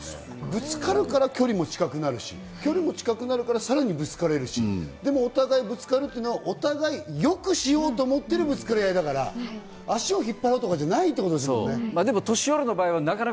ぶつかるから距離も近くなるし、距離が近くなるから、さらにぶつかれるし、でもお互いぶつかれるというのはお互い良くしようと思っているぶつかり合いだから、足を引っ張ろうとかじゃないわけですもんね。